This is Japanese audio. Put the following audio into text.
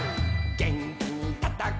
「げんきにたたけば」